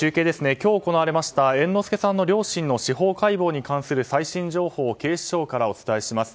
今日行われました猿之助さんの両親の司法解剖に関する最新情報を警視庁からお伝えします。